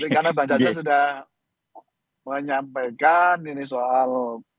karena bang sancar sudah menyampaikan ini soal